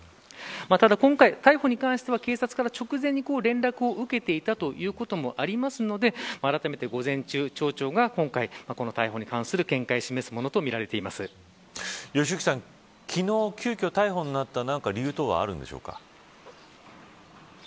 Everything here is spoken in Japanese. ただ今回、逮捕に関しては警察から直前に連絡を受けていたということもありますのであらためて午前中、町長が今回この逮捕に関する見解を示すものと良幸さん、昨日、急きょ逮捕になった理由はあるんでしょうか。